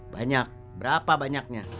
banyak berapa banyaknya